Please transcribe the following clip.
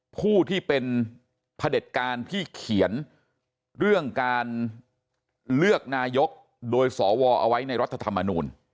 ผู้ที่เป็นพระเด็จการที่เขียนเรื่องการเลือกนายกโดยสวเอาไว้ในรัฐธรรมนูล